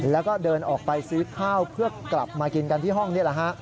แล้วก็เดินออกไปซื้อข้าวเพื่อกลับมากินกันที่ห้องนี่แหละฮะ